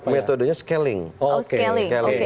metodenya scaling oh scaling